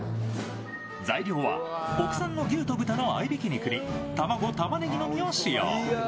材料は国産の牛と豚の合いびき肉に卵、たまねぎのみを使用。